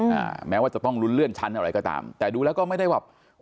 แม้ว่าจะต้องลุ้นเลื่อนชั้นอะไรก็ตามแต่ดูแล้วก็ไม่ได้แบบ